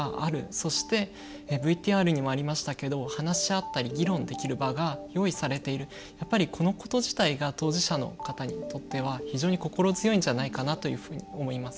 そしてＶＴＲにもありましたけど話し合ったり議論できる場が用意されている、このこと自体が当事者の方にとっては非常に心強いんじゃないかなというふうに思います。